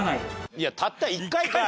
いやたった一回かい！